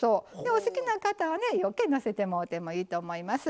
お好きな方はねようけのせてもうてもいいと思います。